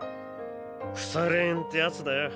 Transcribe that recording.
腐れ縁ってやつだよ